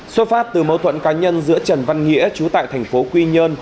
xuất phát từ mâu thuẫn cá nhân giữa trần văn nghĩa chú tại thành phố quy nhơn